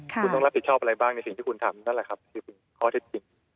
คุณต้องรับผิดชอบอะไรบ้างในสิ่งที่คุณทำนั่นแหละครับคือเป็นข้อเท็จจริง